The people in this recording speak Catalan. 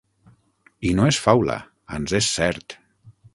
I no és faula, ans és cert.